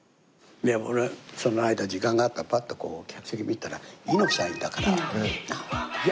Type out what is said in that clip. で俺はその間時間があるからパッとこう客席見たら猪木さんいたから。